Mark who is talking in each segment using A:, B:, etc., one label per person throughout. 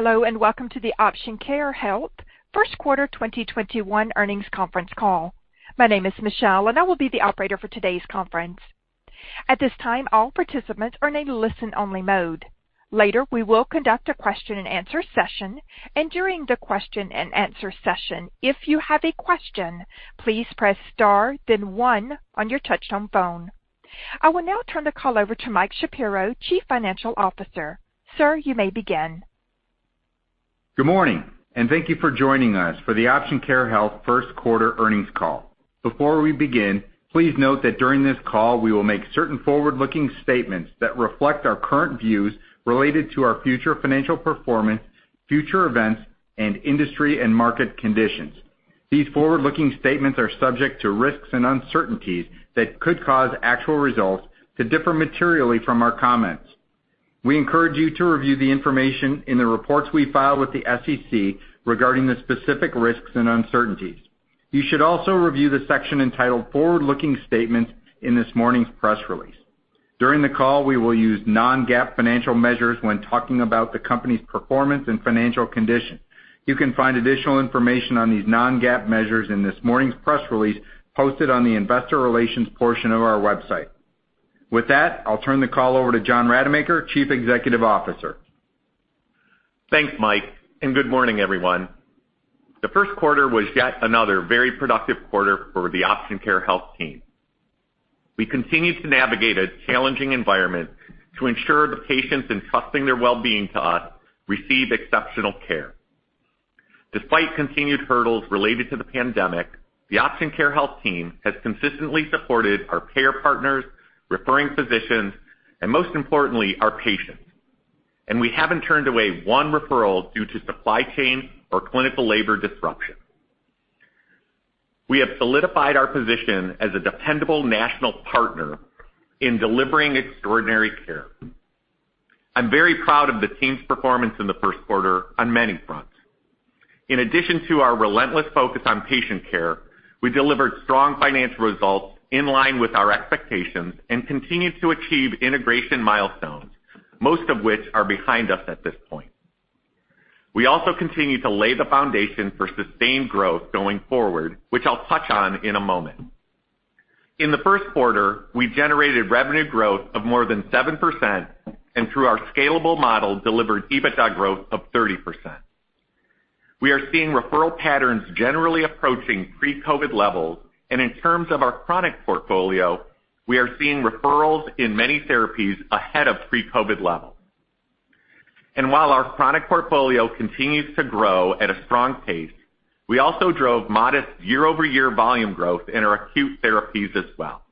A: Hello, and welcome to the Option Care Health First Quarter 2021 Earnings Conference Call. My name is Michelle, and I will be the operator for today's conference. At this time, all participants are in a listen-only mode. Later, we will conduct a question and answer session. During the question and answer session, if you have a question, please press star then one on your touch-tone phone. I will now turn the call over to Mike Shapiro, Chief Financial Officer. Sir, you may begin.
B: Good morning, and thank you for joining us for the Option Care Health First Quarter Earnings Call. Before we begin, please note that during this call, we will make certain forward-looking statements that reflect our current views related to our future financial performance, future events, and industry and market conditions. These forward-looking statements are subject to risks and uncertainties that could cause actual results to differ materially from our comments. We encourage you to review the information in the reports we file with the SEC regarding the specific risks and uncertainties. You should also review the section entitled Forward-Looking Statements in this morning's press release. During the call, we will use non-GAAP financial measures when talking about the company's performance and financial condition. You can find additional information on these non-GAAP measures in this morning's press release posted on the investor relations portion of our website. With that, I'll turn the call over to John C. Rademacher, Chief Executive Officer.
C: Thanks, Mike, and good morning, everyone. The first quarter was yet another very productive quarter for the Option Care Health team. We continue to navigate a challenging environment to ensure the patients entrusting their well-being to us receive exceptional care. Despite continued hurdles related to the pandemic, the Option Care Health team has consistently supported our care partners, referring physicians, and most importantly, our patients. We haven't turned away one referral due to supply chain or clinical labor disruption. We have solidified our position as a dependable national partner in delivering extraordinary care. I'm very proud of the team's performance in the first quarter on many fronts. In addition to our relentless focus on patient care, we delivered strong financial results in line with our expectations and continued to achieve integration milestones, most of which are behind us at this point. We also continue to lay the foundation for sustained growth going forward, which I'll touch on in a moment. In the first quarter, we generated revenue growth of more than 7%, and through our scalable model, delivered EBITDA growth of 30%. We are seeing referral patterns generally approaching pre-COVID levels, and in terms of our chronic portfolio, we are seeing referrals in many therapies ahead of pre-COVID levels. While our chronic portfolio continues to grow at a strong pace, we also drove modest year-over-year volume growth in our acute therapies as well.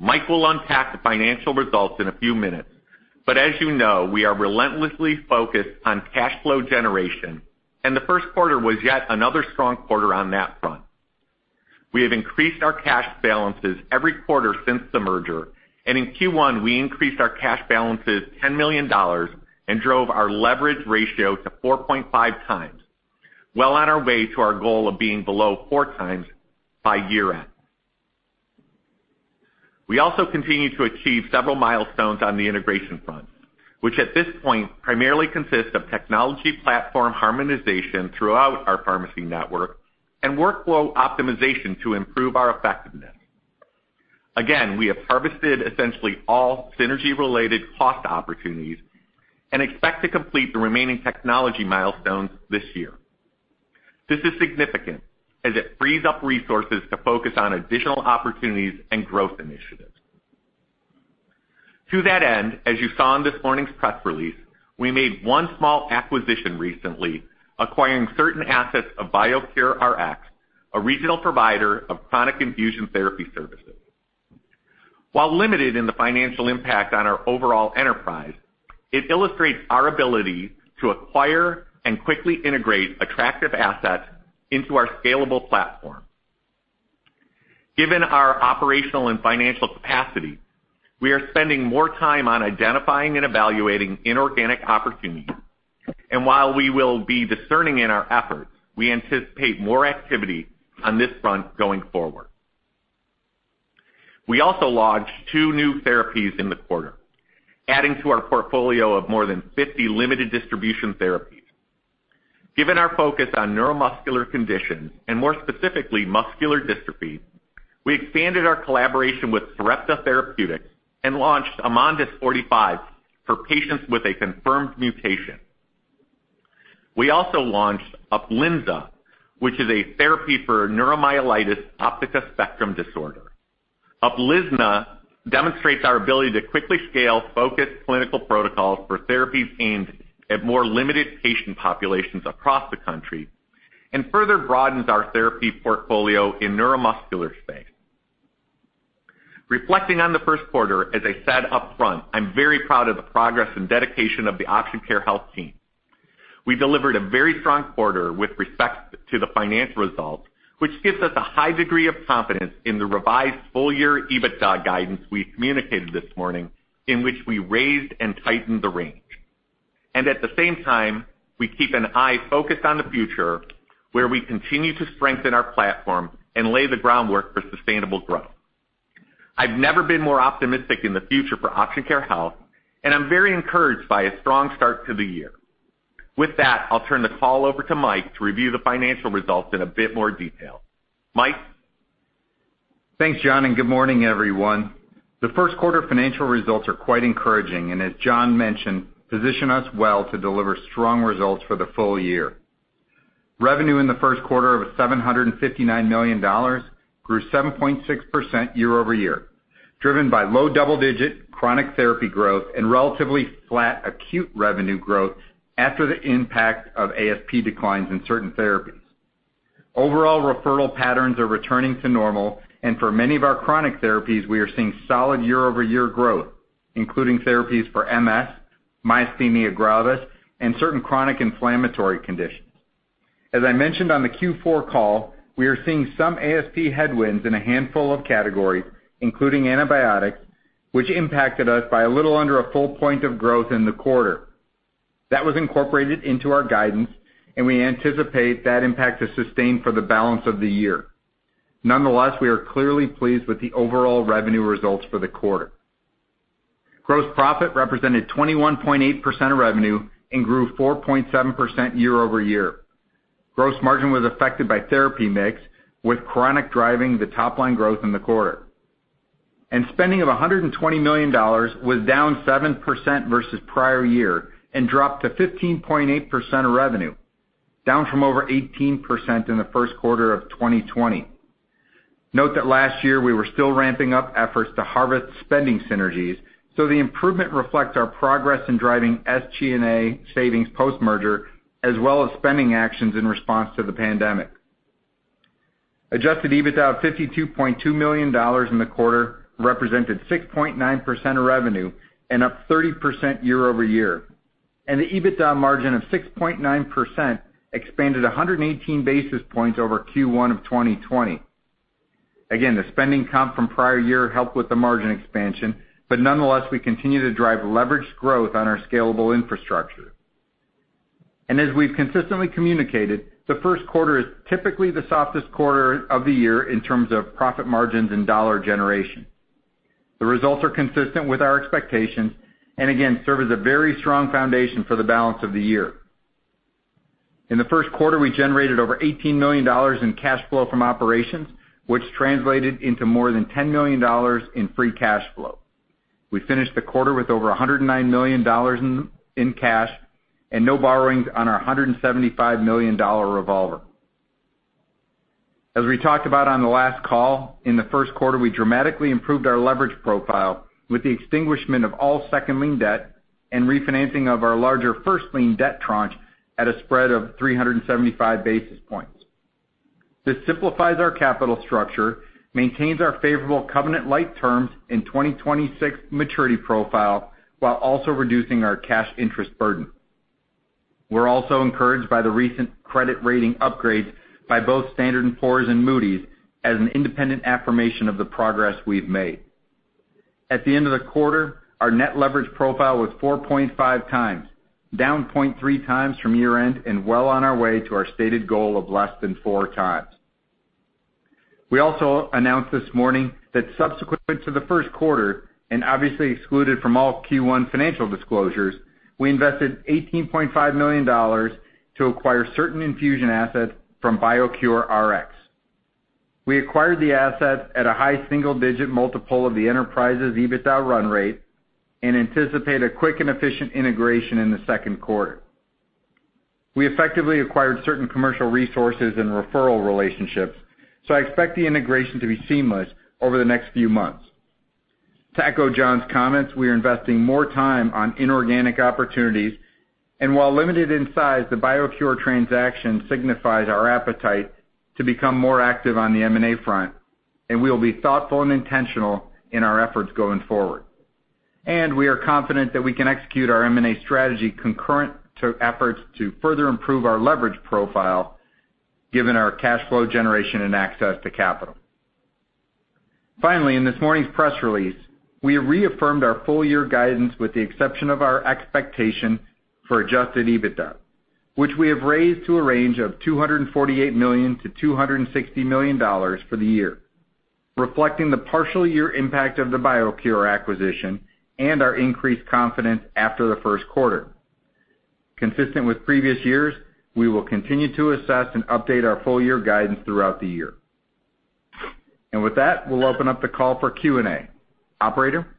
C: Mike will unpack the financial results in a few minutes, but as you know, we are relentlessly focused on cash flow generation, and the first quarter was yet another strong quarter on that front. We have increased our cash balances every quarter since the merger. In Q1, we increased our cash balances $10 million and drove our leverage ratio to 4.5x, well on our way to our goal of being below 4x by year-end. We also continue to achieve several milestones on the integration front, which at this point primarily consist of technology platform harmonization throughout our pharmacy network and workflow optimization to improve our effectiveness. We have harvested essentially all synergy-related cost opportunities and expect to complete the remaining technology milestones this year. This is significant as it frees up resources to focus on additional opportunities and growth initiatives. To that end, as you saw in this morning's press release, we made one small acquisition recently, acquiring certain assets of BioCureRx, a regional provider of chronic infusion therapy services. While limited in the financial impact on our overall enterprise, it illustrates our ability to acquire and quickly integrate attractive assets into our scalable platform. Given our operational and financial capacity, we are spending more time on identifying and evaluating inorganic opportunities. While we will be discerning in our efforts, we anticipate more activity on this front going forward. We also launched two new therapies in the quarter, adding to our portfolio of more than 50 limited distribution therapies. Given our focus on neuromuscular conditions, and more specifically muscular dystrophies, we expanded our collaboration with Sarepta Therapeutics and launched AMONDYS 45 for patients with a confirmed mutation. We also launched Uplizna, which is a therapy for neuromyelitis optica spectrum disorder. Uplizna demonstrates our ability to quickly scale focused clinical protocols for therapies aimed at more limited patient populations across the country and further broadens our therapy portfolio in neuromuscular space. Reflecting on the first quarter, as I said upfront, I'm very proud of the progress and dedication of the Option Care Health team. We delivered a very strong quarter with respect to the financial results, which gives us a high degree of confidence in the revised full-year EBITDA guidance we communicated this morning, in which we raised and tightened the range. At the same time, we keep an eye focused on the future, where we continue to strengthen our platform and lay the groundwork for sustainable growth. I've never been more optimistic in the future for Option Care Health, and I'm very encouraged by a strong start to the year. With that, I'll turn the call over to Mike to review the financial results in a bit more detail. Mike?
B: Thanks, John, and good morning, everyone. The first quarter financial results are quite encouraging and, as John mentioned, position us well to deliver strong results for the full year. Revenue in the first quarter of $759 million grew 7.6% year-over-year, driven by low double-digit chronic therapy growth and relatively flat acute revenue growth after the impact of ASP declines in certain therapies. Overall referral patterns are returning to normal, and for many of our chronic therapies, we are seeing solid year-over-year growth, including therapies for MS, myasthenia gravis, and certain chronic inflammatory conditions. As I mentioned on the Q4 call, we are seeing some ASP headwinds in a handful of categories, including antibiotics, which impacted us by a little under a full point of growth in the quarter. That was incorporated into our guidance, and we anticipate that impact to sustain for the balance of the year. Nonetheless, we are clearly pleased with the overall revenue results for the quarter. Gross profit represented 21.8% of revenue and grew 4.7% year-over-year. Gross margin was affected by therapy mix, with chronic driving the top-line growth in the quarter. Spending of $120 million was down 7% versus prior year and dropped to 15.8% of revenue, down from over 18% in the first quarter of 2020. Note that last year we were still ramping up efforts to harvest spending synergies, so the improvement reflects our progress in driving SG&A savings post-merger, as well as spending actions in response to the pandemic. Adjusted EBITDA of $52.2 million in the quarter represented 6.9% of revenue and up 30% year-over-year. The EBITDA margin of 6.9% expanded 118 basis points over Q1 of 2020. The spending comp from prior year helped with the margin expansion, but nonetheless, we continue to drive leveraged growth on our scalable infrastructure. As we've consistently communicated, the first quarter is typically the softest quarter of the year in terms of profit margins and dollar generation. The results are consistent with our expectations and again, serve as a very strong foundation for the balance of the year. In the first quarter, we generated over $18 million in cash flow from operations, which translated into more than $10 million in free cash flow. We finished the quarter with over $109 million in cash and no borrowings on our $175 million revolver. As we talked about on the last call, in the first quarter, we dramatically improved our leverage profile with the extinguishment of all second lien debt and refinancing of our larger first lien debt tranche at a spread of 375 basis points. This simplifies our capital structure, maintains our favorable covenant-lite terms in 2026 maturity profile, while also reducing our cash interest burden. We're also encouraged by the recent credit rating upgrades by both Standard & Poor's and Moody's as an independent affirmation of the progress we've made. At the end of the quarter, our net leverage profile was 4.5x, down 0.3x from year-end, and well on our way to our stated goal of less than 4x. We also announced this morning that subsequent to the first quarter, and obviously excluded from all Q1 financial disclosures, we invested $18.5 million to acquire certain infusion assets from BioCureRx. We acquired the assets at a high single-digit multiple of the enterprise's EBITDA run rate and anticipate a quick and efficient integration in the second quarter. We effectively acquired certain commercial resources and referral relationships, so I expect the integration to be seamless over the next few months. To echo John's comments, we are investing more time on inorganic opportunities, and while limited in size, the BioCure transaction signifies our appetite to become more active on the M&A front, and we will be thoughtful and intentional in our efforts going forward. We are confident that we can execute our M&A strategy concurrent to efforts to further improve our leverage profile, given our cash flow generation and access to capital. Finally, in this morning's press release, we have reaffirmed our full year guidance with the exception of our expectation for adjusted EBITDA, which we have raised to a range of $248 million-$260 million for the year, reflecting the partial year impact of the BioCure acquisition and our increased confidence after the first quarter. Consistent with previous years, we will continue to assess and update our full year guidance throughout the year. With that, we'll open up the call for Q&A. Operator?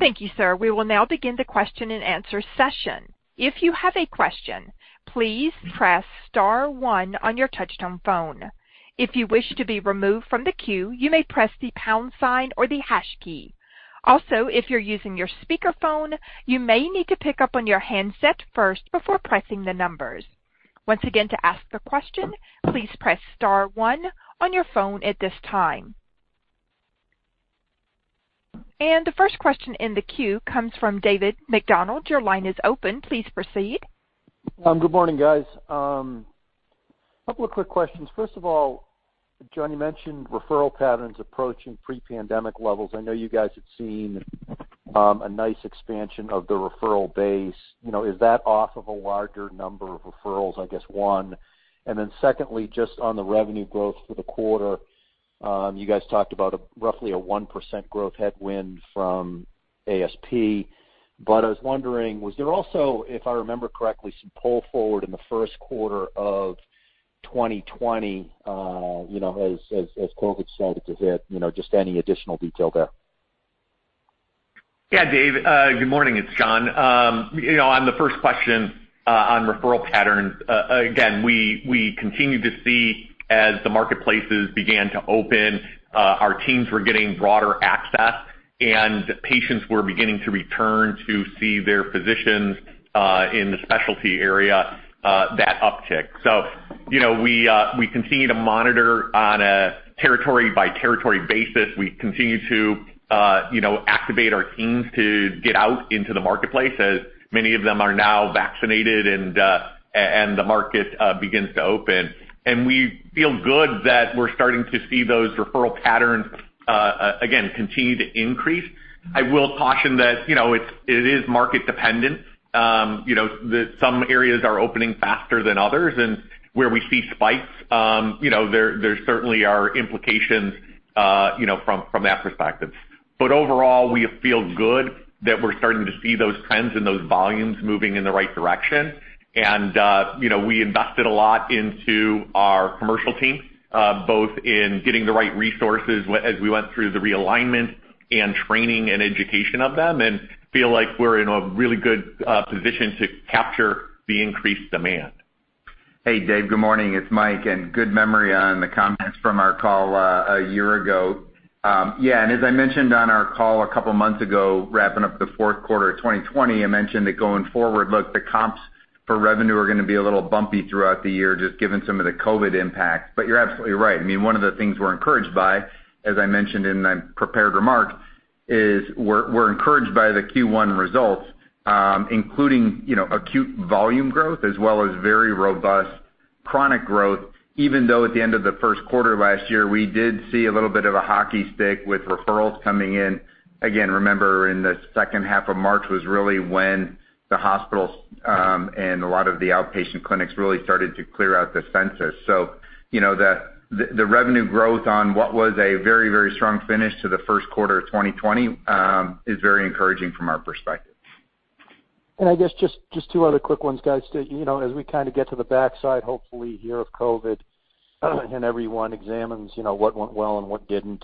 A: Thank you, sir. We will now begin the question and answer session. If you have a question, please press start one on your touchtone phone. If you wish to be removed from the queue, you may press the pound sign or the hash key. Also, if you're using your speakerphone, you may need to pick up on your handset first before pressing the numbers. Once again, to ask a question, please press star one on your phone at this time. The first question in the queue comes from David MacDonald. Your line is open. Please proceed.
D: Good morning, guys. Couple of quick questions. First of all, John, you mentioned referral patterns approaching pre-pandemic levels. I know you guys had seen a nice expansion of the referral base. Is that off of a larger number of referrals, I guess, one. Secondly, just on the revenue growth for the quarter, you guys talked about roughly a 1% growth headwind from ASP. I was wondering, was there also, if I remember correctly, some pull forward in the first quarter of 2020, as COVID started to hit? Just any additional detail there.
C: Yeah, Dave. Good morning. It's John. On the first question on referral patterns, again, we continued to see as the marketplaces began to open, our teams were getting broader access, and patients were beginning to return to see their physicians in the specialty area, that uptick. We continue to monitor on a territory-by-territory basis. We continue to activate our teams to get out into the marketplace, as many of them are now vaccinated and the market begins to open. We feel good that we're starting to see those referral patterns again, continue to increase. I will caution that it is market dependent. Some areas are opening faster than others, and where we see spikes, there certainly are implications from that perspective. Overall, we feel good that we're starting to see those trends and those volumes moving in the right direction. We invested a lot into our commercial team, both in getting the right resources as we went through the realignment and training and education of them, and feel like we're in a really good position to capture the increased demand.
B: Hey, Dave. Good morning. It's Mike. Good memory on the comments from our call a year ago. Yeah, as I mentioned on our call a couple of months ago, wrapping up the fourth quarter of 2020, I mentioned that going forward, look, the comps for revenue are going to be a little bumpy throughout the year, just given some of the COVID impacts. You're absolutely right. One of the things we're encouraged by, as I mentioned in my prepared remarks, is we're encouraged by the Q1 results, including acute volume growth as well as very robust chronic growth, even though at the end of the first quarter of last year, we did see a little bit of a hockey stick with referrals coming in. Remember, in the second half of March was really when the hospitals and a lot of the outpatient clinics really started to clear out the census. The revenue growth on what was a very strong finish to the first quarter of 2020 is very encouraging from our perspective.
D: I guess just two other quick ones, guys. As we get to the backside, hopefully, here of COVID, and everyone examines what went well and what didn't,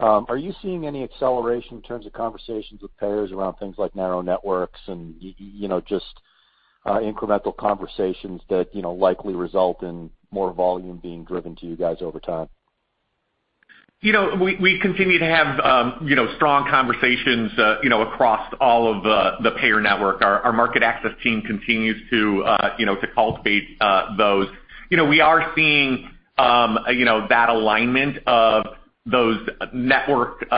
D: are you seeing any acceleration in terms of conversations with payers around things like narrow networks and just incremental conversations that likely result in more volume being driven to you guys over time?
C: We continue to have strong conversations across all of the payer network. Our market access team continues to cultivate those. We are seeing that alignment of the network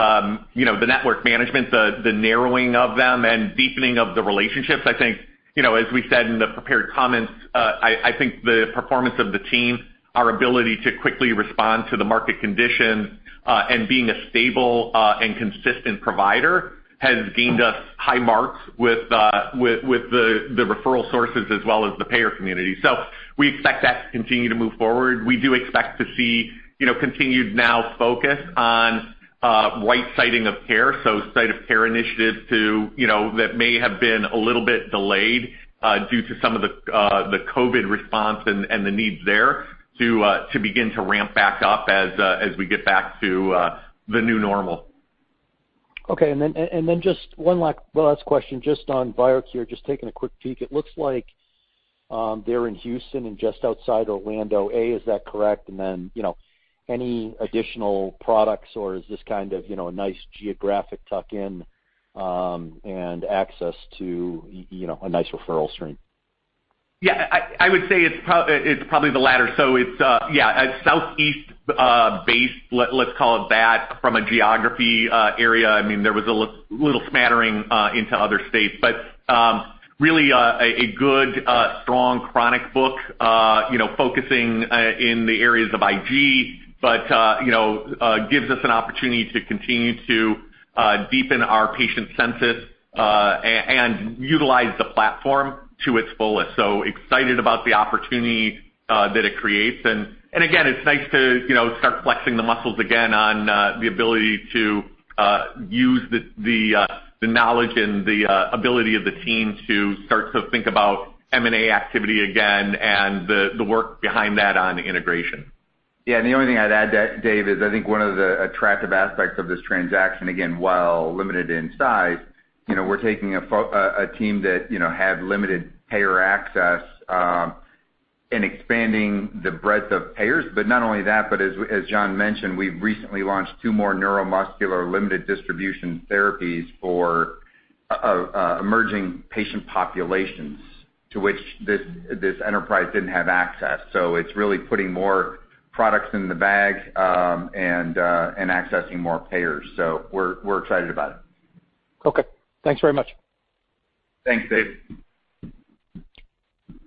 C: management, the narrowing of them, and deepening of the relationships. As we said in the prepared comments, I think the performance of the team, our ability to quickly respond to the market conditions, and being a stable and consistent provider, has gained us high marks with the referral sources as well as the payer community. We expect that to continue to move forward. We do expect to see continued now focus on right siting of care, site of care initiatives that may have been a little bit delayed due to some of the COVID response and the needs there to begin to ramp back up as we get back to the new normal.
D: Okay. Just one last question, just on BioCure, just taking a quick peek. It looks like they're in Houston and just outside Orlando. A, is that correct? Any additional products, or is this kind of a nice geographic tuck-in and access to a nice referral stream?
C: Yeah. I would say it's probably the latter. It's a Southeast base, let's call it that, from a geography area. There was a little smattering into other states. Really a good, strong chronic book focusing in the areas of IG, but gives us an opportunity to continue to deepen our patient census and utilize the platform to its fullest. Excited about the opportunity that it creates. Again, it's nice to start flexing the muscles again on the ability to use the knowledge and the ability of the team to start to think about M&A activity again and the work behind that on integration.
B: Yeah, the only thing I'd add to that, Dave, is I think one of the attractive aspects of this transaction, again, while limited in size, we're taking a team that had limited payer access and expanding the breadth of payers. Not only that, but as John mentioned, we've recently launched two more neuromuscular limited distribution therapies for emerging patient populations to which this enterprise didn't have access. It's really putting more products in the bag and accessing more payers. We're excited about it.
D: Okay. Thanks very much.
B: Thanks, Dave.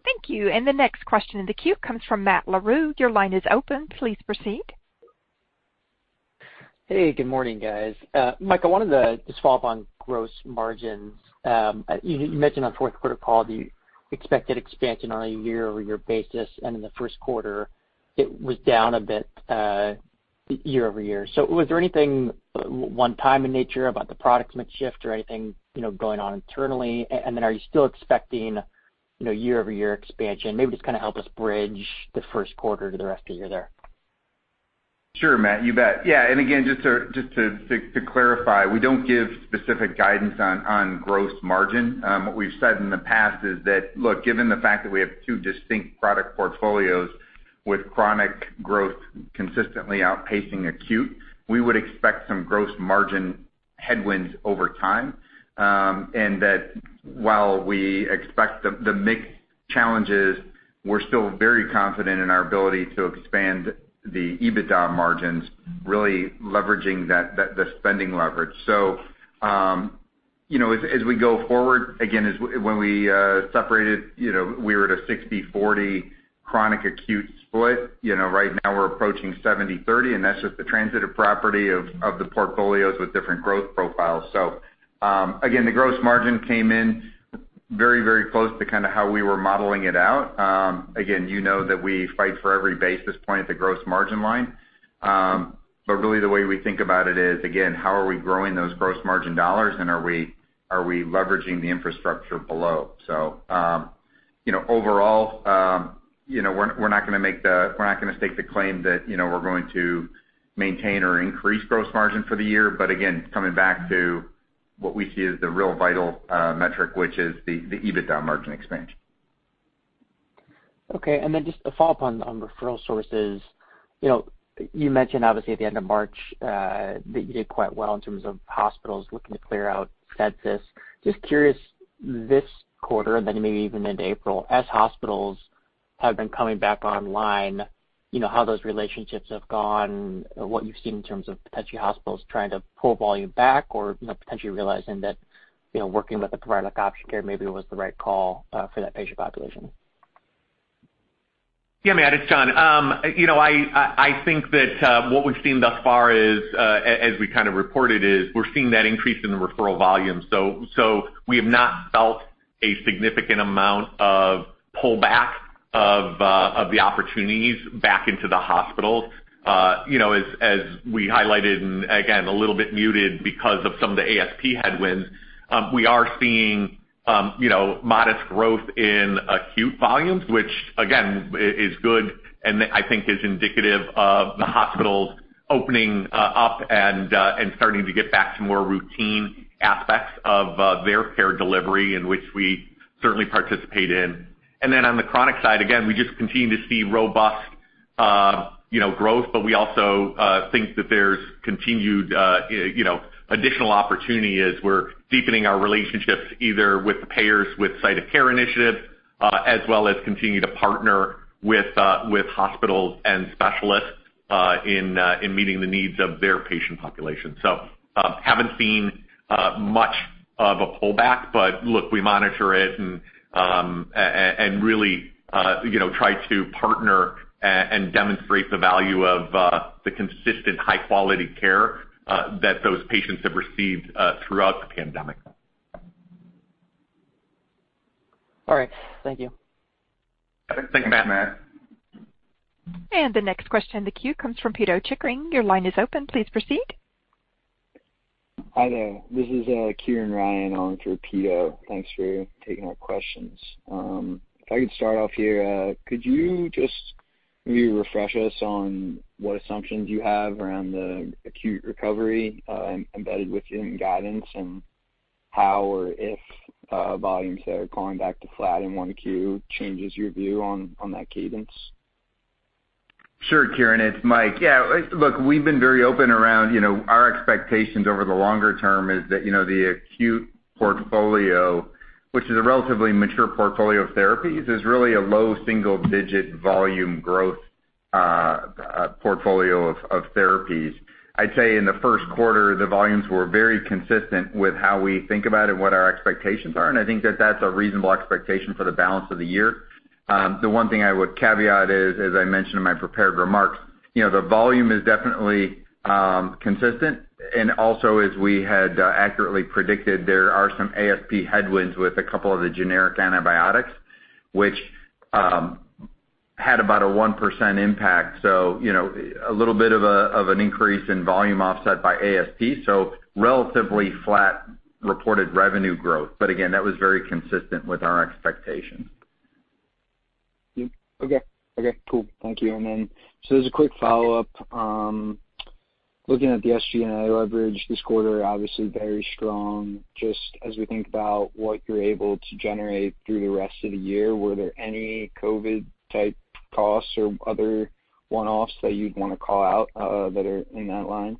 A: Thank you. The next question in the queue comes from Matt Larew. Your line is open. Please proceed.
E: Hey, good morning, guys. Michael, I wanted to just follow up on gross margins. You mentioned on fourth quarter call the expected expansion on a year-over-year basis, and in the first quarter, it was down a bit year-over-year. Was there anything one time in nature about the product mix shift or anything going on internally? Are you still expecting year-over-year expansion? Maybe just help us bridge the first quarter to the rest of the year there.
B: Sure, Matt, you bet. Yeah. Again, just to clarify, we don't give specific guidance on gross margin. What we've said in the past is that, look, given the fact that we have two distinct product portfolios with chronic growth consistently outpacing acute, we would expect some gross margin headwinds over time. That while we expect the mix challenges, we're still very confident in our ability to expand the EBITDA margins, really leveraging the spending leverage. As we go forward, again, when we separated, we were at a 60/40 chronic acute split. Right now we're approaching 70/30, and that's just the transitive property of the portfolios with different growth profiles. Again, the gross margin came in very close to how we were modeling it out. Again, you know that we fight for every basis point at the gross margin line. Really, the way we think about it is, again, how are we growing those gross margin dollars, and are we leveraging the infrastructure below? Overall, we're not going to stake the claim that we're going to maintain or increase gross margin for the year. Again, coming back to what we see as the real vital metric, which is the EBITDA margin expansion.
E: Okay. Just a follow-up on referral sources. You mentioned, obviously, at the end of March, that you did quite well in terms of hospitals looking to clear out census. Just curious, this quarter and then maybe even into April, as hospitals have been coming back online, how those relationships have gone, what you've seen in terms of potentially hospitals trying to pull volume back or potentially realizing that working with a provider like Option Care maybe was the right call for that patient population.
C: Yeah, Matt, it's John. I think that what we've seen thus far is, as we reported, is we're seeing that increase in the referral volume. We have not felt a significant amount of pull back of the opportunities back into the hospitals. As we highlighted, and again, a little bit muted because of some of the ASP headwinds, we are seeing modest growth in acute volumes, which again, is good and I think is indicative of the hospitals opening up and starting to get back to more routine aspects of their care delivery in which we certainly participate in. On the chronic side, again, we just continue to see robust growth, but we also think that there's continued additional opportunity as we're deepening our relationships, either with the payers with site of care initiatives, as well as continue to partner with hospitals and specialists in meeting the needs of their patient population. Haven't seen much of a pullback, but look, we monitor it and really try to partner and demonstrate the value of the consistent high-quality care that those patients have received throughout the pandemic.
E: All right. Thank you.
B: Thanks, Matt.
C: Thanks, Matt.
A: The next question in the queue comes from Pito Chickering. Your line is open. Please proceed.
F: Hi there. This is Kieran Ryan on through Pito. Thanks for taking our questions. If I could start off here, could you just maybe refresh us on what assumptions you have around the acute recovery embedded within guidance and how or if volumes that are going back to flat in 1Q changes your view on that cadence?
B: Sure, Kieran, it's Mike. Yeah, look, we've been very open around our expectations over the longer term is that the acute portfolio, which is a relatively mature portfolio of therapies, is really a low single-digit volume growth portfolio of therapies. I'd say in the first quarter, the volumes were very consistent with how we think about it and what our expectations are. I think that that's a reasonable expectation for the balance of the year. The one thing I would caveat is, as I mentioned in my prepared remarks, the volume is definitely consistent and also as we had accurately predicted, there are some ASP headwinds with a couple of the generic antibiotics, which had about a 1% impact. A little bit of an increase in volume offset by ASP, so relatively flat reported revenue growth. Again, that was very consistent with our expectations.
F: Okay. Cool. Thank you. As a quick follow-up, looking at the SG&A leverage this quarter, obviously very strong. Just as we think about what you're able to generate through the rest of the year, were there any COVID type costs or other one-offs that you'd want to call out that are in that line?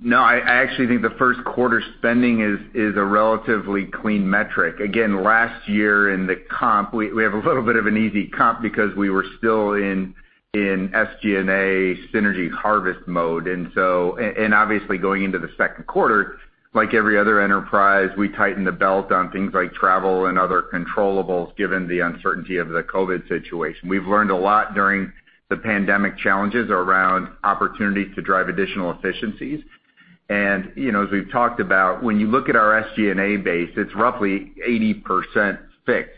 B: No, I actually think the first quarter spending is a relatively clean metric. Again, last year in the comp, we have a little bit of an easy comp because we were still in SG&A synergy harvest mode. Obviously going into the second quarter, like every other enterprise, we tightened the belt on things like travel and other controllables given the uncertainty of the COVID situation. We've learned a lot during the pandemic challenges around opportunities to drive additional efficiencies. As we've talked about, when you look at our SG&A base, it's roughly 80% fixed.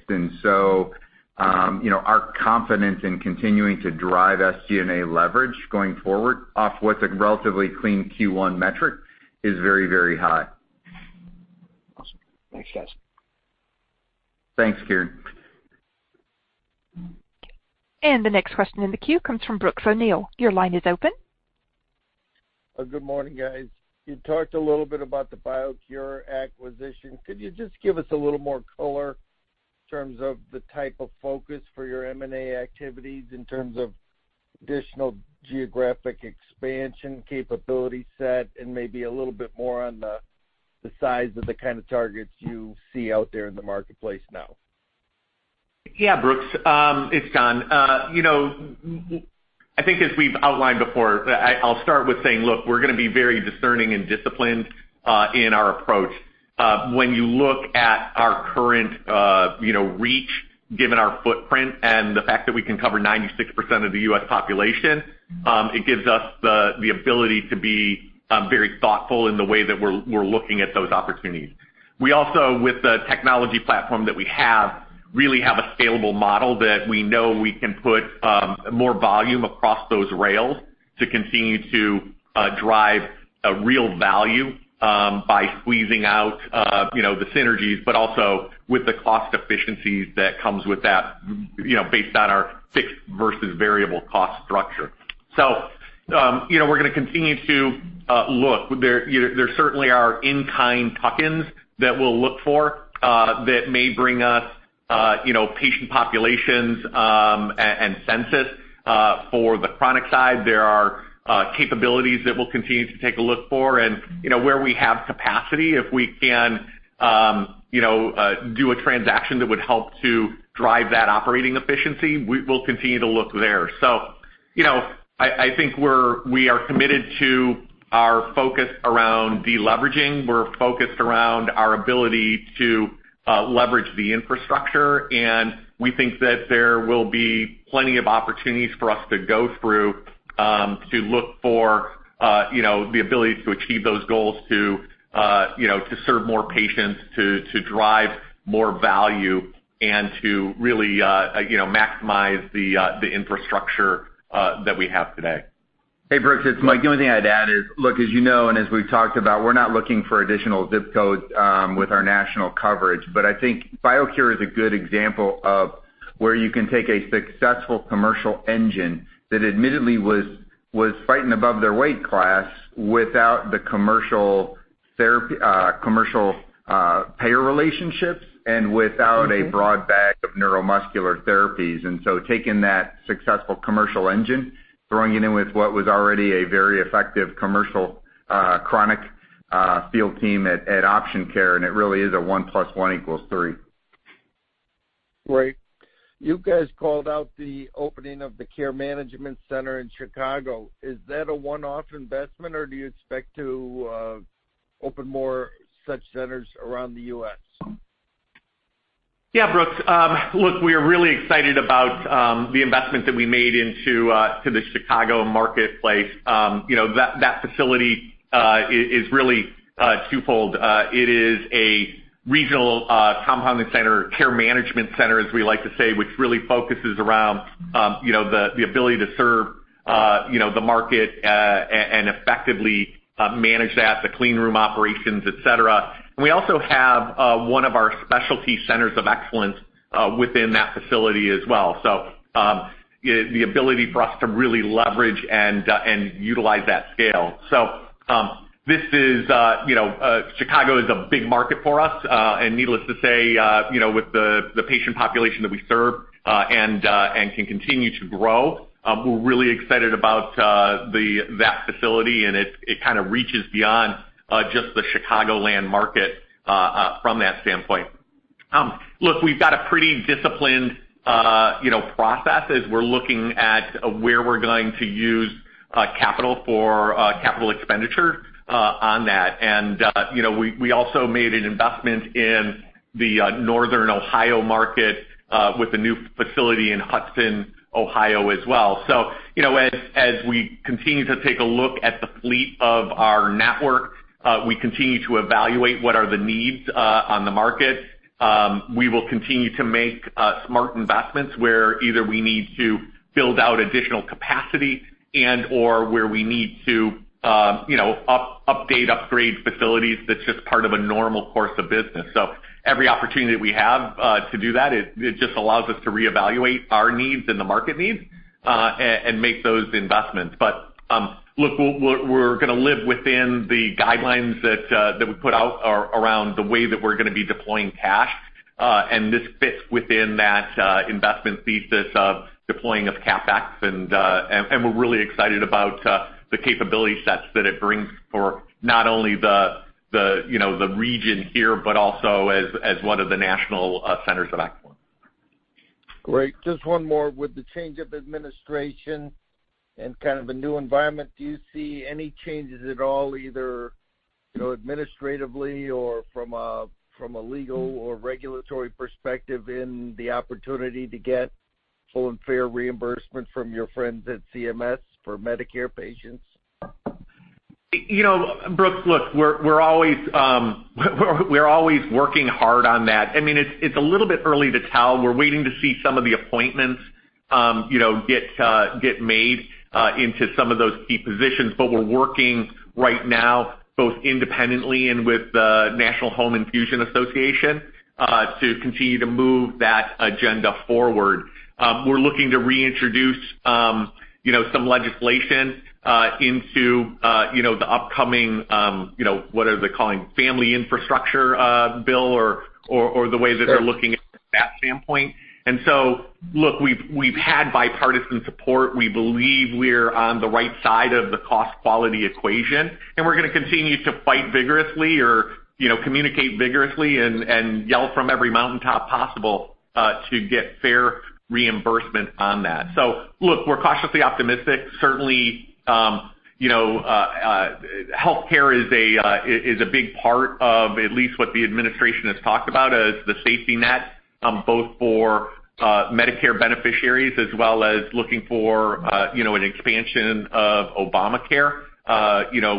B: Our confidence in continuing to drive SG&A leverage going forward off what's a relatively clean Q1 metric is very high.
F: Awesome. Thanks, guys.
B: Thanks, Kieran.
A: The next question in the queue comes from Brooks O'Neil. Your line is open.
G: Good morning, guys. You talked a little bit about the BioCure acquisition. Could you just give us a little more color in terms of the type of focus for your M&A activities, in terms of additional geographic expansion capability set, and maybe a little bit more on the size of the kind of targets you see out there in the marketplace now?
C: Yeah, Brooks, it's John. I think as we've outlined before, I'll start with saying, look, we're going to be very discerning and disciplined in our approach. When you look at our current reach, given our footprint and the fact that we can cover 96% of the US population, it gives us the ability to be very thoughtful in the way that we're looking at those opportunities. We also, with the technology platform that we have, really have a scalable model that we know we can put more volume across those rails to continue to drive a real value by squeezing out the synergies, but also with the cost efficiencies that comes with that based on our fixed versus variable cost structure. We're going to continue to look. There certainly are in-kind tuck-ins that we'll look for that may bring us patient populations and census for the chronic side. There are capabilities that we'll continue to take a look for and where we have capacity, if we can do a transaction that would help to drive that operating efficiency, we'll continue to look there. I think we are committed to our focus around deleveraging. We're focused around our ability to leverage the infrastructure, and we think that there will be plenty of opportunities for us to go through, to look for the ability to achieve those goals to serve more patients, to drive more value, and to really maximize the infrastructure that we have today.
B: Hey, Brooks, it's Mike. The only thing I'd add is, look, as you know, and as we've talked about, we're not looking for additional zip codes with our national coverage, but I think BioCure is a good example of where you can take a successful commercial engine that admittedly was fighting above their weight class without the commercial payer relationships and without a broad bag of neuromuscular therapies. Taking that successful commercial engine, throwing it in with what was already a very effective commercial, chronic field team at Option Care, and it really is a one plus one equals three.
G: Great. You guys called out the opening of the Care Management Center in Chicago. Is that a one-off investment, or do you expect to open more such centers around the U.S.?
C: Yeah, Brooks. Look, we are really excited about the investment that we made into the Chicago marketplace. That facility is really twofold. It is a regional compounding center, care management center, as we like to say, which really focuses around the ability to serve the market, and effectively manage that, the clean room operations, et cetera. We also have one of our specialty centers of excellence within that facility as well. The ability for us to really leverage and utilize that scale. Chicago is a big market for us. Needless to say, with the patient population that we serve, and can continue to grow, we're really excited about that facility, and it kind of reaches beyond just the Chicagoland market, from that standpoint. Look, we've got a pretty disciplined process as we're looking at where we're going to use capital for capital expenditure on that. We also made an investment in the Northern Ohio market, with a new facility in Hudson, Ohio as well. As we continue to take a look at the fleet of our network, we continue to evaluate what are the needs on the market. We will continue to make smart investments where either we need to build out additional capacity and/or where we need to update, upgrade facilities. That's just part of a normal course of business. Every opportunity that we have to do that, it just allows us to reevaluate our needs and the market needs, and make those investments. Look, we're going to live within the guidelines that we put out around the way that we're going to be deploying cash. This fits within that investment thesis of deploying of CapEx. We're really excited about the capability sets that it brings for not only the region here, but also as one of the national centers of excellence.
G: Great. Just one more. With the change of administration and kind of a new environment, do you see any changes at all, either administratively or from a legal or regulatory perspective in the opportunity to get full and fair reimbursement from your friends at CMS for Medicare patients?
C: Brooks, look, we're always working hard on that. It's a little bit early to tell. We're waiting to see some of the appointments get made into some of those key positions. We're working right now, both independently and with the National Home Infusion Association, to continue to move that agenda forward. We're looking to reintroduce some legislation into the upcoming what are they calling American Families Plan or the way that they're looking at it from that standpoint. Look, we've had bipartisan support. We believe we're on the right side of the cost-quality equation, and we're going to continue to fight vigorously or communicate vigorously and yell from every mountaintop possible, to get fair reimbursement on that. Look, we're cautiously optimistic. Certainly, healthcare is a big part of at least what the administration has talked about as the safety net, both for Medicare beneficiaries as well as looking for an expansion of Obamacare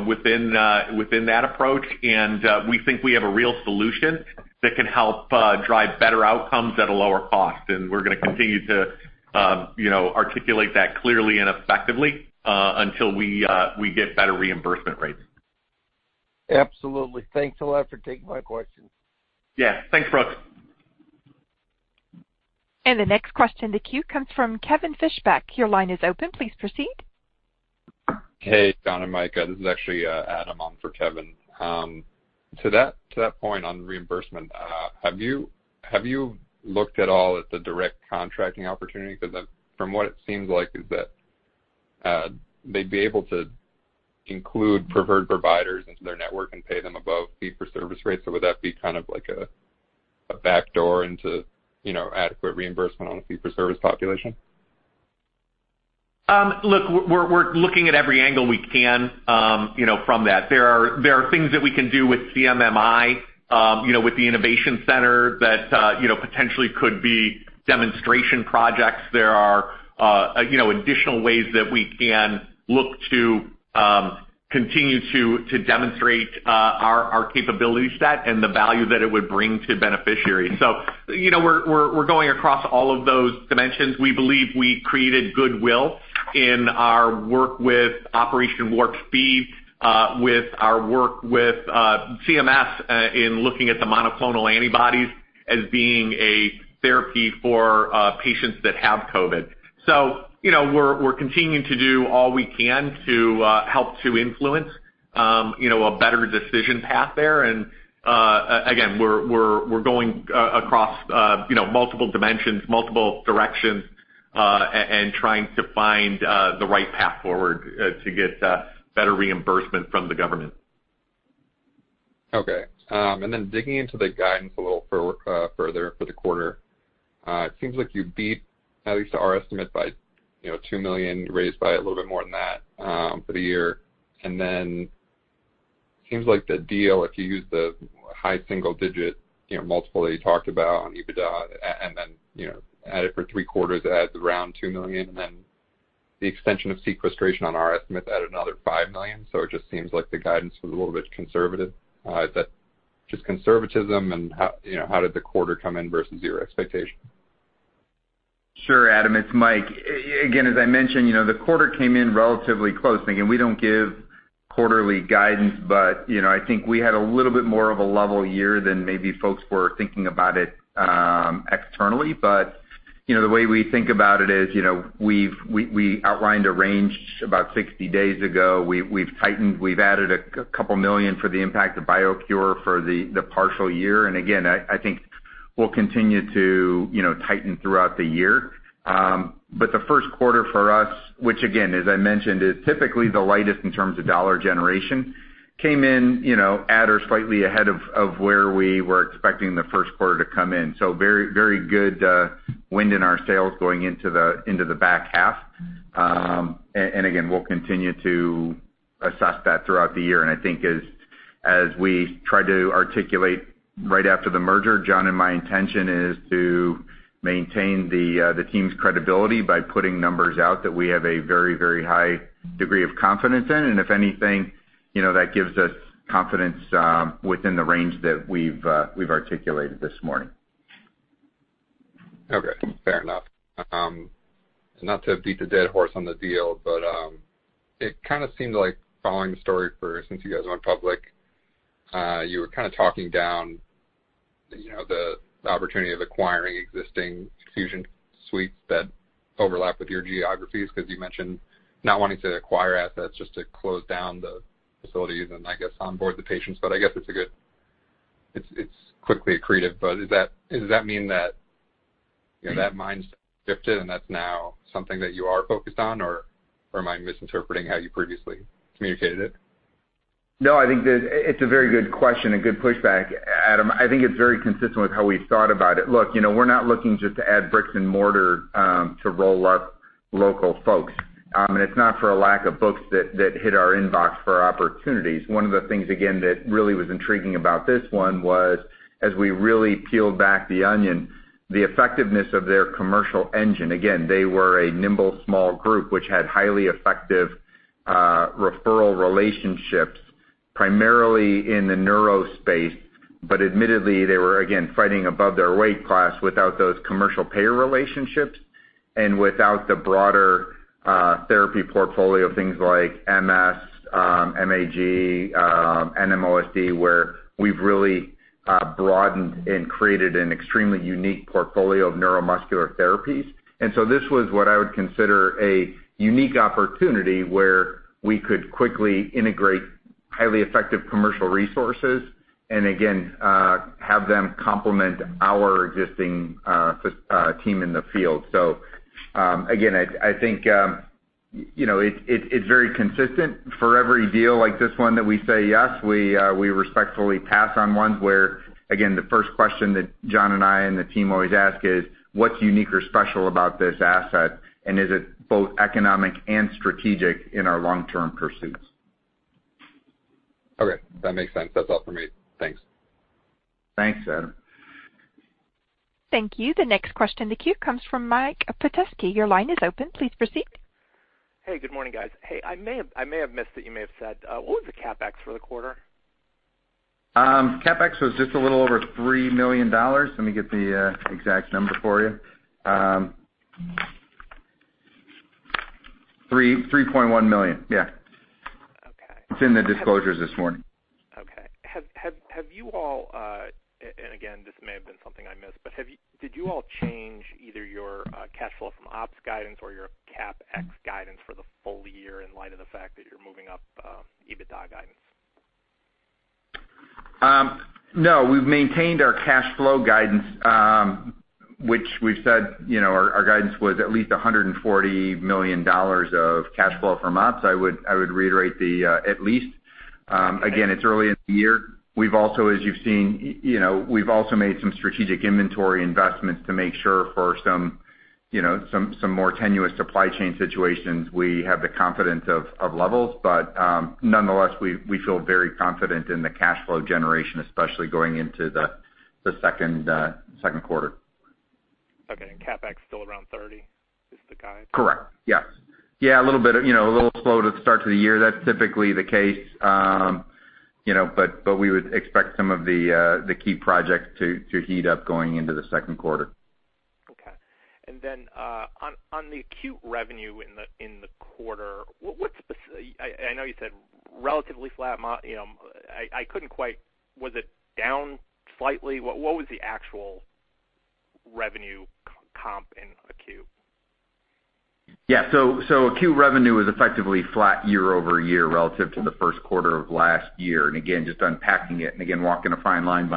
C: within that approach. We think we have a real solution that can help drive better outcomes at a lower cost. We're going to continue to articulate that clearly and effectively, until we get better reimbursement rates.
G: Absolutely. Thanks a lot for taking my question.
C: Yeah. Thanks, Brooks.
A: The next question in the queue comes from Kevin Fischbeck. Your line is open. Please proceed.
H: Hey, John and Mike. This is actually Adam on for Kevin. To that point on reimbursement, have you looked at all at the direct contracting opportunity? From what it seems like is that they'd be able to include preferred providers into their network and pay them above fee-for-service rates. Would that be kind of like a backdoor into adequate reimbursement on a fee-for-service population?
C: Look, we're looking at every angle we can from that. There are things that we can do with CMMI, with the Innovation Center that potentially could be demonstration projects. There are additional ways that we can look to continue to demonstrate our capability set and the value that it would bring to beneficiaries. We're going across all of those dimensions. We believe we created goodwill in our work with Operation Warp Speed, with our work with CMS in looking at the monoclonal antibodies as being a therapy for patients that have COVID. We're continuing to do all we can to help to influence a better decision path there. Again, we're going across multiple dimensions, multiple directions, and trying to find the right path forward to get better reimbursement from the government.
H: Okay. Digging into the guidance a little further for the quarter. It seems like you beat at least our estimate by $2 million, raised by a little bit more than that for the year. It seems like the deal, if you use the high single-digit multiple that you talked about on EBITDA and then add it for three quarters, adds around $2 million. The extension of sequestration on our estimate added another $5 million. It just seems like the guidance was a little bit conservative. Is that just conservatism? How did the quarter come in versus your expectation?
B: Sure, Adam, it's Mike. Again, as I mentioned, the quarter came in relatively close. Again, we don't give quarterly guidance. I think we had a little bit more of a level year than maybe folks were thinking about it externally. The way we think about it is we outlined a range about 60 days ago. We've tightened, we've added a couple million for the impact of BioCure for the partial year. Again, I think we'll continue to tighten throughout the year. The first quarter for us, which again, as I mentioned, is typically the lightest in terms of dollar generation, came in at or slightly ahead of where we were expecting the first quarter to come in. Very good wind in our sails going into the back half. Again, we'll continue to assess that throughout the year. I think as we tried to articulate right after the merger, John and my intention is to maintain the team's credibility by putting numbers out that we have a very high degree of confidence in. If anything, that gives us confidence within the range that we've articulated this morning.
H: Okay, fair enough. Not to beat the dead horse on the deal, but it seemed like following the story for since you guys went public, you were kind of talking down the opportunity of acquiring existing infusion suites that overlap with your geographies because you mentioned not wanting to acquire assets just to close down the facilities and I guess onboard the patients. I guess it's quickly accretive. Does that mean that mindset shifted and that's now something that you are focused on, or am I misinterpreting how you previously communicated it?
B: No, I think that it's a very good question, a good pushback. Adam, I think it's very consistent with how we've thought about it. Look, we're not looking just to add bricks and mortar to roll up local folks. It's not for a lack of books that hit our inbox for opportunities. One of the things, again, that really was intriguing about this one was as we really peeled back the onion, the effectiveness of their commercial engine, again, they were a nimble, small group, which had highly effective referral relationships, primarily in the neuro space, but admittedly, they were, again, fighting above their weight class without those commercial payer relationships and without the broader therapy portfolio, things like MS, MG, NMOSD, where we've really broadened and created an extremely unique portfolio of neuromuscular therapies. This was what I would consider a unique opportunity where we could quickly integrate highly effective commercial resources and again, have them complement our existing team in the field. Again, I think it's very consistent for every deal like this one that we say yes, we respectfully pass on ones where, again, the first question that John and I and the team always ask is: What's unique or special about this asset, and is it both economic and strategic in our long-term pursuits?
H: Okay. That makes sense. That's all for me. Thanks.
B: Thanks, Adam.
A: Thank you. The next question in the queue comes from Michael Petusky. Your line is open. Please proceed.
I: Hey, good morning, guys. I may have missed that you may have said. What was the CapEx for the quarter?
B: CapEx was just a little over $3 million. Let me get the exact number for you. $3.1 million. Yeah.
I: Okay.
B: It's in the disclosures this morning.
I: Okay. Have you all, and again, this may have been something I missed, but did you all change either your cash flow from ops guidance or your CapEx guidance for the full year in light of the fact that you're moving up EBITDA guidance?
B: No, we've maintained our cash flow guidance, which we've said our guidance was at least $140 million of cash flow from ops. I would reiterate the at least. Again, it's early in the year. We've also, as you've seen, we've also made some strategic inventory investments to make sure for some more tenuous supply chain situations, we have the confidence of levels. Nonetheless, we feel very confident in the cash flow generation, especially going into the second quarter.
I: Okay. CapEx still around $30 is the guide?
B: Correct. Yes. Yeah, a little slow to the start of the year. That's typically the case, but we would expect some of the key projects to heat up going into the second quarter.
I: Okay. On the acute revenue in the quarter, I know you said relatively flat. Was it down slightly? What was the actual revenue comp in acute?
B: Yeah. Acute revenue was effectively flat year-over-year relative to the first quarter of last year. Again, just unpacking it and again, walking a fine line,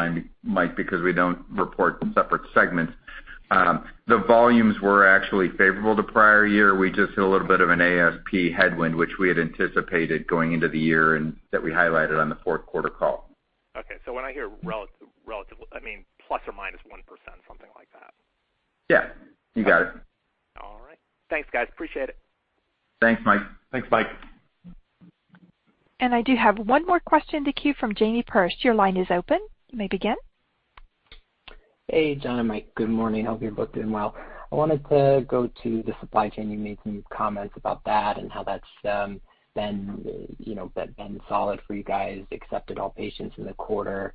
B: Mike, because we don't report separate segments. The volumes were actually favorable to prior year. We just hit a little bit of an ASP headwind, which we had anticipated going into the year and that we highlighted on the fourth quarter call.
I: Okay. When I hear relative, I mean ±1%, something like that.
B: Yeah. You got it.
I: All right. Thanks, guys. Appreciate it.
B: Thanks, Mike.
C: Thanks, Mike.
A: I do have one more question to queue from Jamie Perse. Your line is open. You may begin.
J: Hey, John and Mike, good morning. Hope you're both doing well. I wanted to go to the supply chain. You made some comments about that and how that's been solid for you guys, accepted all patients in the quarter.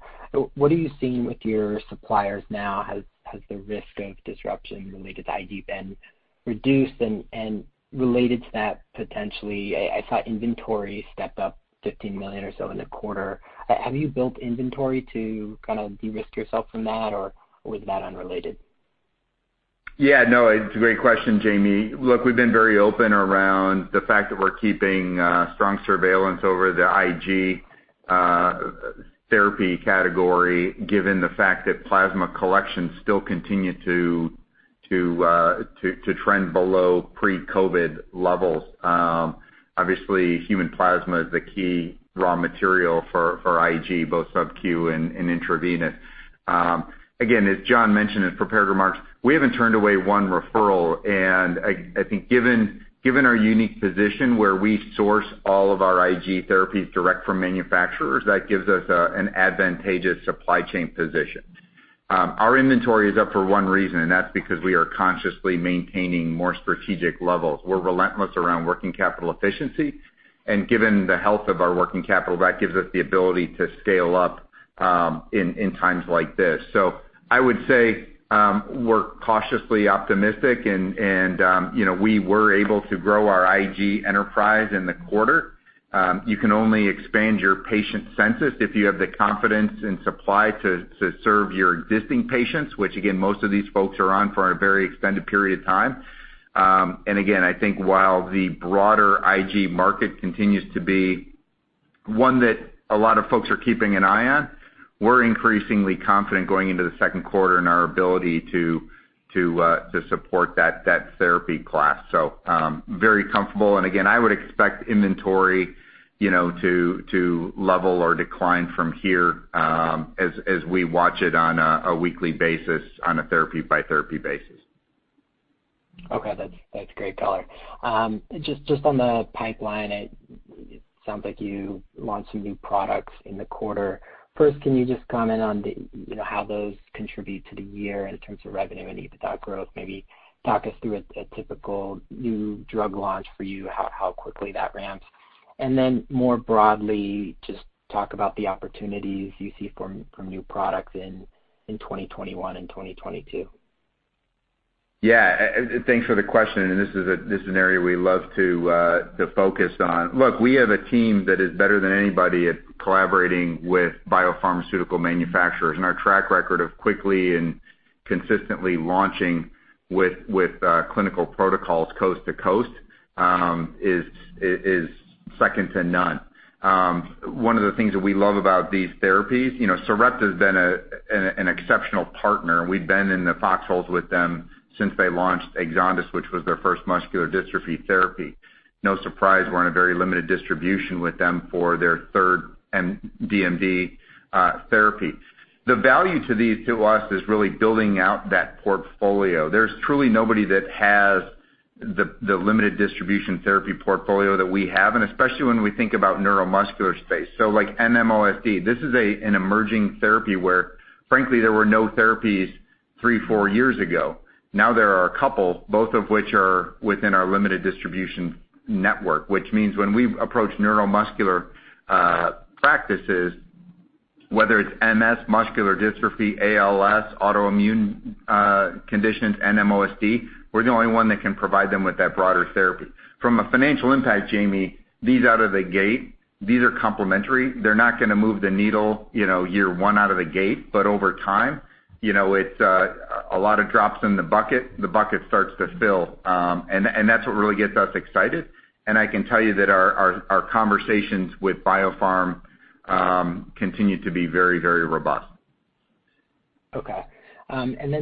J: What are you seeing with your suppliers now? Has the risk of disruption related to IG been reduced? Related to that, potentially, I saw inventory step up $15 million or so in the quarter. Have you built inventory to kind of de-risk yourself from that, or was that unrelated?
B: Yeah, no, it's a great question, Jamie. Look, we've been very open around the fact that we're keeping strong surveillance over the IG therapy category, given the fact that plasma collections still continue to trend below pre-COVID levels. Obviously, human plasma is the key raw material for IG, both subQ and intravenous. Again, as John mentioned in prepared remarks, we haven't turned away one referral, and I think given our unique position where we source all of our IG therapies direct from manufacturers, that gives us an advantageous supply chain position. Our inventory is up for one reason, and that's because we are consciously maintaining more strategic levels. We're relentless around working capital efficiency, and given the health of our working capital, that gives us the ability to scale up in times like this. I would say we're cautiously optimistic and we were able to grow our IG enterprise in the quarter. You can only expand your patient census if you have the confidence and supply to serve your existing patients, which again, most of these folks are on for a very extended period of time. Again, I think while the broader IG market continues to be one that a lot of folks are keeping an eye on, we're increasingly confident going into the second quarter in our ability to support that therapy class. Very comfortable. Again, I would expect inventory to level or decline from here as we watch it on a weekly basis, on a therapy-by-therapy basis.
J: Okay, that's great color. Just on the pipeline, it sounds like you launched some new products in the quarter. First, can you just comment on how those contribute to the year in terms of revenue and EBITDA growth? Maybe talk us through a typical new drug launch for you, how quickly that ramps. More broadly, just talk about the opportunities you see from new products in 2021 and 2022.
B: Yeah. Thanks for the question. This is an area we love to focus on. Look, we have a team that is better than anybody at collaborating with biopharmaceutical manufacturers. Our track record of quickly and consistently launching with clinical protocols coast to coast is second to none. One of the things that we love about these therapies, Sarepta has been an exceptional partner. We've been in the foxholes with them since they launched Exondys, which was their first muscular dystrophy therapy. No surprise, we're in a very limited distribution with them for their third DMD therapy. The value to these to us is really building out that portfolio. There's truly nobody that has the limited distribution therapy portfolio that we have, especially when we think about neuromuscular space. Like NMOSD, this is an emerging therapy where frankly, there were no therapies three, four years ago. Now there are a couple, both of which are within our limited distribution network, which means when we approach neuromuscular practices, whether it's MS, muscular dystrophy, ALS, autoimmune conditions, NMOSD, we're the only one that can provide them with that broader therapy. From a financial impact, Jamie, these out of the gate, these are complementary. They're not going to move the needle year one out of the gate, but over time, it's a lot of drops in the bucket. The bucket starts to fill. That's what really gets us excited. I can tell you that our conversations with biopharm continue to be very, very robust.
J: Okay.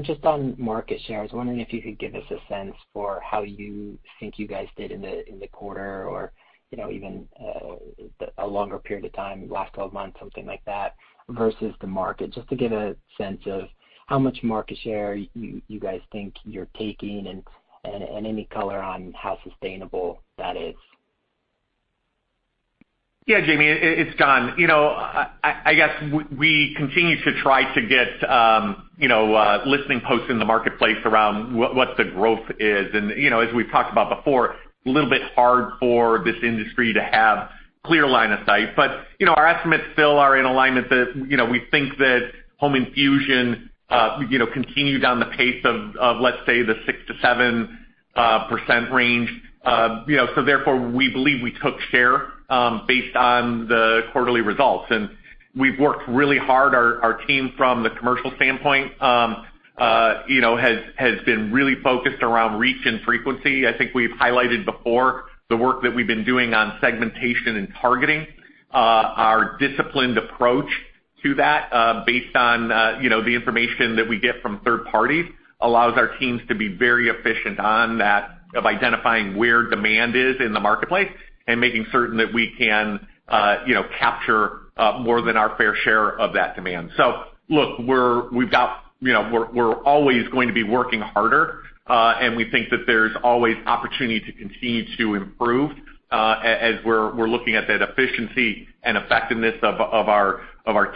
J: Just on market share, I was wondering if you could give us a sense for how you think you guys did in the quarter or even a longer period of time, last 12 months, something like that, versus the market. Just to get a sense of how much market share you guys think you're taking and any color on how sustainable that is.
C: Jamie, it's John. I guess we continue to try to get listening posts in the marketplace around what the growth is. As we've talked about before, a little bit hard for this industry to have clear line of sight. Our estimates still are in alignment that we think that home infusion continue down the pace of, let's say, the 6%-7% range. Therefore, we believe we took share based on the quarterly results. We've worked really hard. Our team from the commercial standpoint has been really focused around reach and frequency. I think we've highlighted before the work that we've been doing on segmentation and targeting. Our disciplined approach to that based on the information that we get from third parties allows our teams to be very efficient on that, of identifying where demand is in the marketplace and making certain that we can capture more than our fair share of that demand. Look, we're always going to be working harder, and we think that there's always opportunity to continue to improve as we're looking at that efficiency and effectiveness of our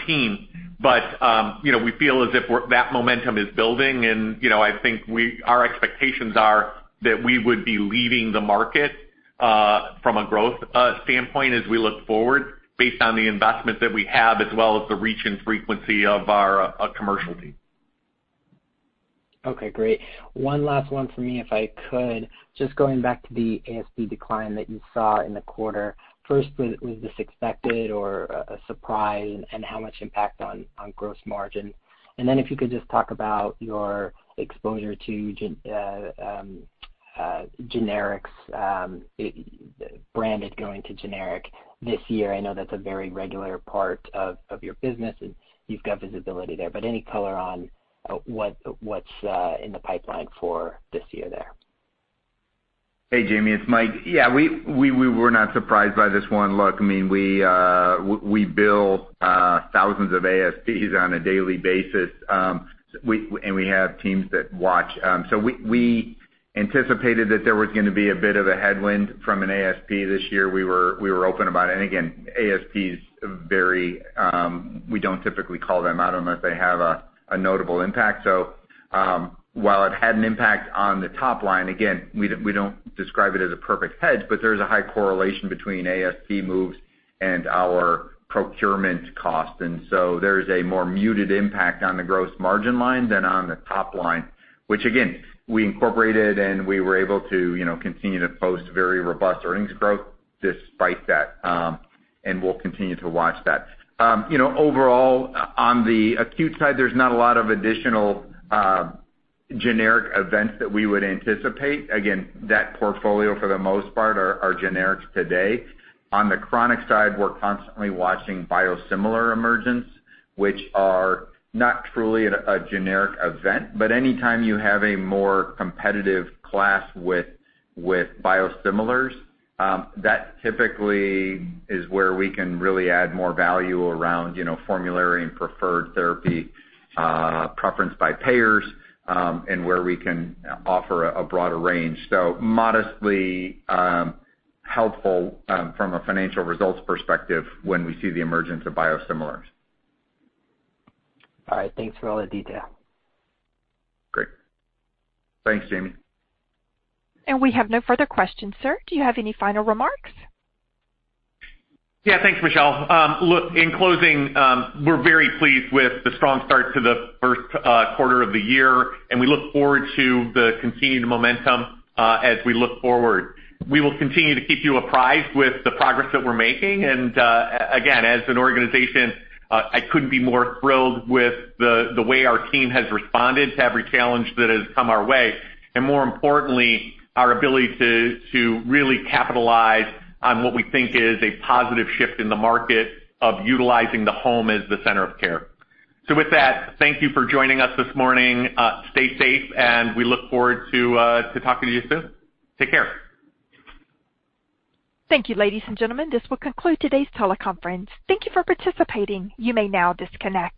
C: team. We feel as if that momentum is building, and I think our expectations are that we would be leading the market from a growth standpoint as we look forward based on the investments that we have as well as the reach and frequency of our commercial team.
J: Okay, great. One last one for me, if I could. Just going back to the ASP decline that you saw in the quarter. First, was this expected or a surprise, and how much impact on gross margin? If you could just talk about your exposure to generics, branded going to generic this year. I know that's a very regular part of your business, and you've got visibility there. Any color on what's in the pipeline for this year there?
B: Hey, Jamie, it's Mike. Yeah, we were not surprised by this one. Look, we bill thousands of ASPs on a daily basis, and we have teams that watch. We anticipated that there was going to be a bit of a headwind from an ASP this year. We were open about it. Again, ASPs, we don't typically call them out unless they have a notable impact. While it had an impact on the top line, again, we don't describe it as a perfect hedge, but there's a high correlation between ASP moves and our procurement cost. There's a more muted impact on the gross margin line than on the top line, which again, we incorporated, and we were able to continue to post very robust earnings growth despite that. We'll continue to watch that. Overall, on the acute side, there's not a lot of additional generic events that we would anticipate. That portfolio for the most part are generics today. On the chronic side, we're constantly watching biosimilar emergence, which are not truly a generic event, but anytime you have a more competitive class with biosimilars, that typically is where we can really add more value around formulary and preferred therapy preference by payers, and where we can offer a broader range. Modestly helpful from a financial results perspective when we see the emergence of biosimilars.
J: All right. Thanks for all the detail.
B: Great. Thanks, Jamie.
A: We have no further questions, sir. Do you have any final remarks?
C: Thanks, Michelle. In closing, we're very pleased with the strong start to the first quarter of the year, and we look forward to the continued momentum as we look forward. We will continue to keep you apprised with the progress that we're making. Again, as an organization, I couldn't be more thrilled with the way our team has responded to every challenge that has come our way, and more importantly, our ability to really capitalize on what we think is a positive shift in the market of utilizing the home as the center of care. With that, thank you for joining us this morning. Stay safe, and we look forward to talking to you soon. Take care.
A: Thank you, ladies and gentlemen. This will conclude today's teleconference. Thank you for participating. You may now disconnect.